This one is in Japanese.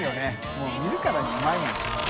もう見るからにうまいもんな。